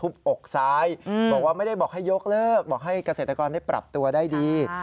บอกซ้ายบอกว่าไม่ได้บอกให้ยกเลิกบอกให้เกษตรกรได้ปรับตัวได้ดี